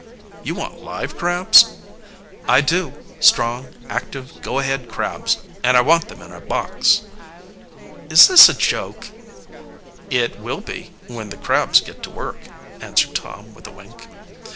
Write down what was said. "You want live crabs?" "I do strong, active, go ahead crabs, and I want them in a box." "Is this a joke?" "It will be when the crabs get to work," answered Tom with a wink.